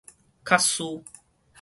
較輸